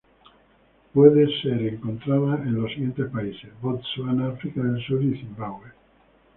Puede ser encontrada en los siguientes países: Botsuana, África del Sur y Zimbabue.